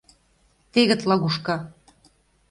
Тегыт лагушка!..